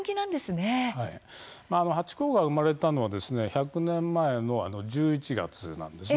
ハチ公が生まれたのは１００年前の１１月なんです。